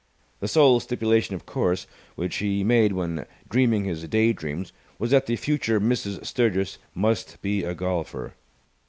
The sole stipulation, of course, which he made when dreaming his daydreams was that the future Mrs. Sturgis must be a golfer.